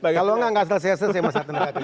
kalau nggak nggak selesai selesai masak masak kerja